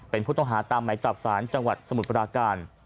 เป็นผู้ต้องหาตามไหมจับศาลจังหวัดสมุทรปราการ